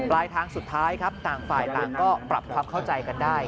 ลายทางสุดท้ายครับต่างฝ่ายต่างก็ปรับความเข้าใจกันได้